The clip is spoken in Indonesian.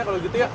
kalau gitu ya